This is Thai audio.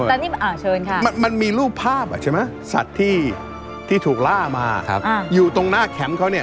แต่นี่เชิญค่ะมันมีรูปภาพอ่ะใช่ไหมสัตว์ที่ถูกล่ามาอยู่ตรงหน้าแคมป์เขาเนี่ย